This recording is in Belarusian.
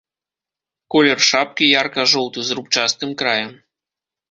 Колер шапкі ярка-жоўты, з рубчастым краем.